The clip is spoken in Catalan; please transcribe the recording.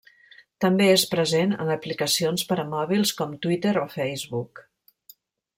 També és present en aplicacions per a mòbils com Twitter o Facebook.